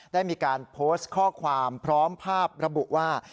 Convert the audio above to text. ได้มีการโพสต์ข้อความพร้อมภาพระบุว่า